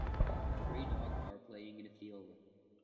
Three dogs are playing in a field